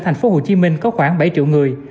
thành phố hồ chí minh có khoảng bảy triệu người